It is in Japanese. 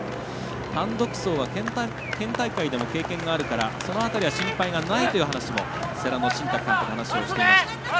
単独走は県大会でも経験があるからその辺りは心配がないという話も、世羅の新宅監督、話をしていました。